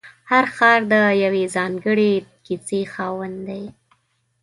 هر ښار د یوې ځانګړې کیسې خاوند دی.